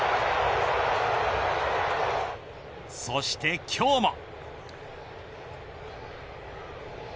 そして今日も。